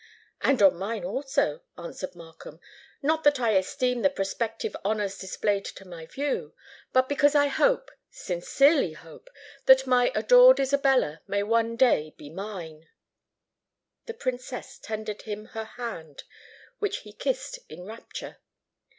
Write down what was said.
"And on mine, also," answered Markham. "Not that I esteem the prospective honours displayed to my view; but because I hope—sincerely hope—that my adored Isabella may one day be mine." The Princess tendered him her hand, which he kissed in rapture.